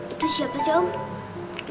itu siapa sih om